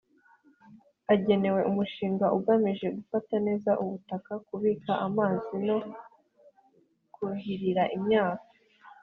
agenewe umushinga ugamije gufata neza ubutaka kubika amazi no kuhirira imyaka